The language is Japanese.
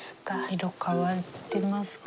色変わってますか？